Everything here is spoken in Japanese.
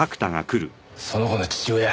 その子の父親。